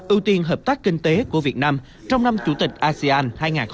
ưu tiên hợp tác kinh tế của việt nam trong năm chủ tịch asean hai nghìn hai mươi